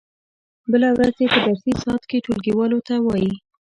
بله ورځ دې په درسي ساعت کې ټولګیوالو ته و وایي.